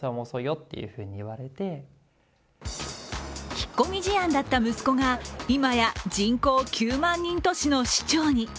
引っ込み思案だった息子が今や人口９万人都市の市長に。